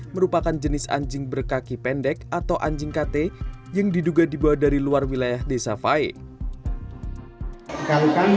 merupakan jenis anjing berkaki pendek atau anjing kate yang diduga dibawa dari luar wilayah desa faik